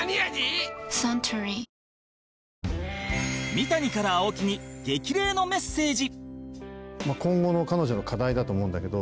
三谷から青木に激励のメッセージ